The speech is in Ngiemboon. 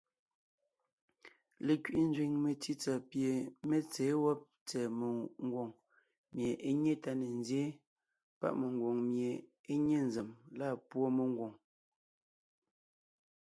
Lekẅiʼi nzẅìŋ metsítsà pie mé tsěen wɔ́b tsɛ̀ɛ megwòŋ mie é nyé tá ne nzyéen páʼ mengwòŋ mie é nye nzèm lâ púɔ mengwòŋ.